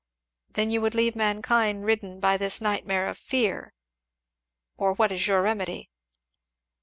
"Then you would leave mankind ridden by this nightmare of fear? or what is your remedy?"